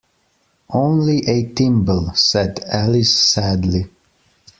‘Only a thimble,’ said Alice sadly.